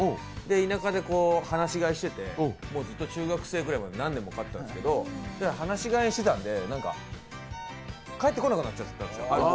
田舎で放し飼いしてて、中学生ぐらいまで何年も飼ってたんですけど放し飼いにしていたんで帰ってこなくなっちゃったんですよ。